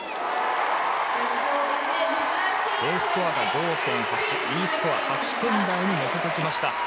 Ｄスコアが５．８Ｅスコアは８点台に乗せました。